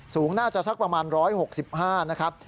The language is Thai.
สูงน่าจะสักประมาณ๑๖๕นะครับ